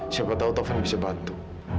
siapa tahu tovan bisa bantu